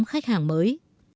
khách hàng mới